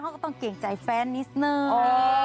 เขาก็ต้องเกรงใจแฟนนิดนึง